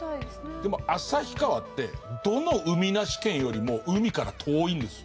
でも旭川ってどの海なし県よりも海から遠いんですよ。